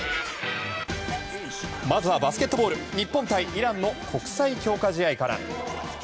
まずはバスケットボール日本対イランの国際強化試合から。